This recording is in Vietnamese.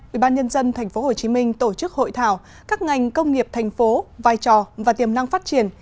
ubnd tp hcm tổ chức hội thảo các ngành công nghiệp thành phố vai trò và tiềm năng phát triển